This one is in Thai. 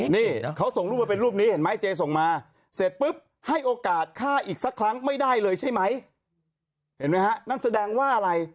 นี่เขาส่งรูปมาเป็นรูปนี้เห็นไหมเจส่งมาเสร็จปุ๊บให้โอกาสฆ่าอีกสักครั้งไม่ได้เลยใช่ไหมเห็นไหมฮะนั่นแสดงว่าอะไร